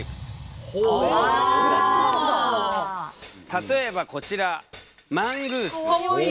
例えばこちらマングース。